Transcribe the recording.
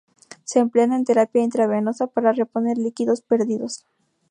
Se emplean en terapia intravenosa para reponer líquidos perdidos.